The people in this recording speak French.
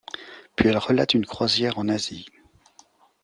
Puis elle relate une croisière en Asie.